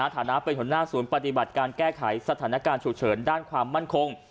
ฐานะเป็นหัวหน้าศูนย์ปฏิบัติการแก้ไขสถานการณ์ฉุกเฉินด้านความมั่นคง